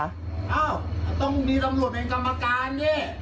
อ้าวต้องมีตำรวจเป็นกรรมการเย่